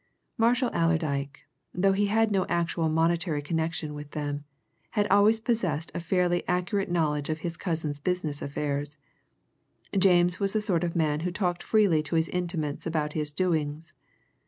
Marshall Allerdyke, though he had no actual monetary connection with them, had always possessed a fairly accurate knowledge of his cousin's business affairs James was the sort of man who talked freely to his intimates about his doings.